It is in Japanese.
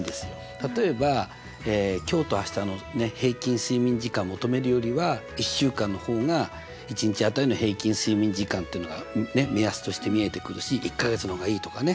例えば今日と明日の平均睡眠時間求めるよりは１週間の方が１日当たりの平均睡眠時間っていうのが目安として見えてくるし１か月の方がいいとかね。